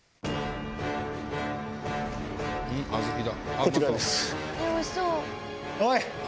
こちらです。